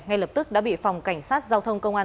ngay lập tức đã bị phòng cảnh sát giao thông công an